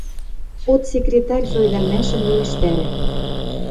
Отсекретарь соредӓлмӓшӹм лоэштӓрӓ.